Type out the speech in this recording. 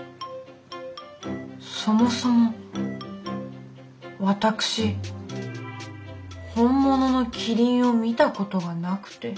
そもそも私本物のキリンを見たことがなくて。